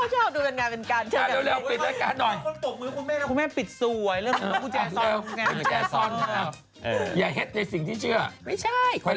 ชอบดูกันกันเหมือนกัน